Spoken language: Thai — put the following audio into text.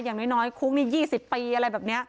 อย่างน้อยคุกนี่๒๐ปีอะไรแบบนี้